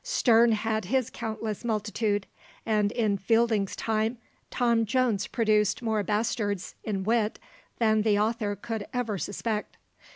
Sterne had his countless multitude; and in Fielding's time, Tom Jones produced more bastards in wit than the author could ever suspect.